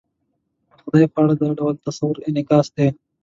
د خدای په اړه دا ډول تصور انعکاس دی.